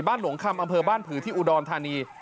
บ้านหลงคำอำเภอบ้านผิวที่อุดรธานี